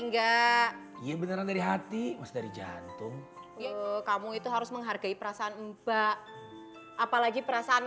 enggak iya beneran dari hati mas dari jantung yuk kamu itu harus menghargai perasaan mbak apalagi perasaan